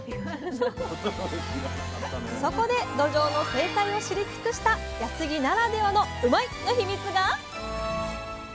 そこでどじょうの生態を知り尽くした安来ならではのうまいッ！のヒミツが！